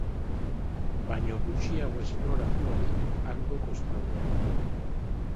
Baino gutxiago esploratu barik hango kostaldean.